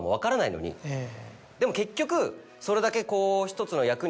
でも結局それだけ。